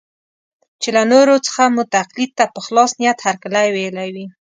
چې له نورو څخه مو تقلید ته په خلاص نیت هرکلی ویلی وي.